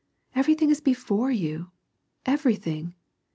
Every thing is before you — everything.